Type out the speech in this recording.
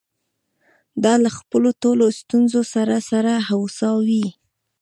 دا له خپلو ټولو ستونزو سره سره هوسا وې.